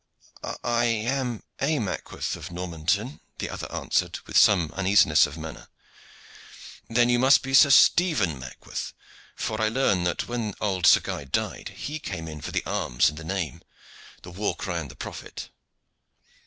"I am a Mackworth of Normanton," the other answered, with some uneasiness of manner. "Then you must be Sir Stephen Mackworth, for I learn that when old Sir Guy died he came in for the arms and the name, the war cry and the profit."